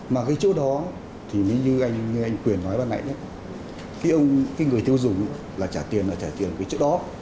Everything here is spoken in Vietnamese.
mà cái chỗ đó thì như anh quyền nói bắt nãy đó cái người tiêu dùng là trả tiền là trả tiền ở cái chỗ đó